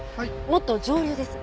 もっと上流です。